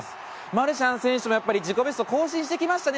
マルシャン選手も、やっぱり自己ベストを更新してきました。